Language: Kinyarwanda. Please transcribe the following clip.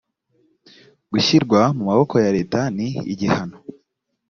gushyirwa mu maboko ya leta ni igihano